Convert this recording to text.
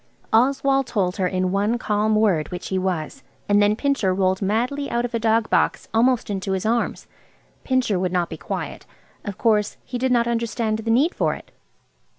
Oswald told her in one calm word which he was, and then Pincher rolled madly out of a dog box almost into his arms. Pincher would not be quiet. Of course he did not understand the need for it.